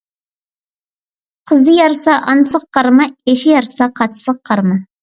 قىزى يارىسا ئانىسىغا قارىما، ئېشى يارىسا قاچىسىغا قارىما.